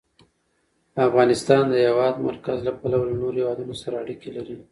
افغانستان د د هېواد مرکز له پلوه له نورو هېوادونو سره اړیکې لري.